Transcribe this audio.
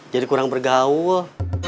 jadi kurang bergaul